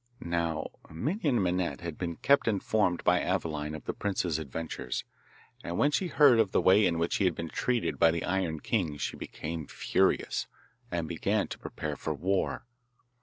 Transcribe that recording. Now Minon Minette had been kept informed by Aveline of the prince's adventures, and when she heard of the way in which he had been treated by the Iron King she became furious, and began to prepare for war.